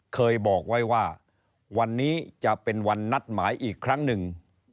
เคยบอกไว้ว่าวันนี้จะเป็นวันนัดหมายอีกครั้งหนึ่ง